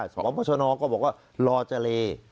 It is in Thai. สมมติพ่อชะนอกก็บอกว่ารอเจร